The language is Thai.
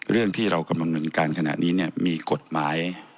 เรื่องที่เรากำลังดำเนินการขณะนี้เนี่ยมีกฎหมาย